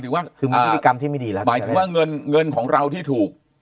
ถึงว่ามีกรรมที่ไม่ดีแล้วหมายถึงว่าเงินเงินของเราที่ถูก